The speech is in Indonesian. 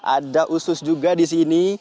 ada usus juga di sini